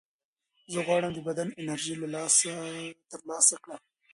زه غواړم د بدن انرژي ترلاسه کړم.